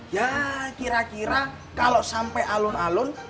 ya kira kira kalau sampai alun alun